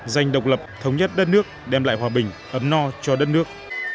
giành độc lập thống nhất đất nước đem lại hòa bình ấm no cho đất nước